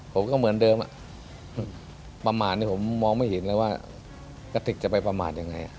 ผมก็เหมือนเดิมประมาณนี้ผมมองไม่เห็นเลยว่ากระติกจะไปประมาทยังไง